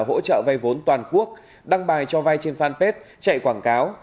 hỗ trợ vay vốn toàn quốc đăng bài cho vay trên fanpage chạy quảng cáo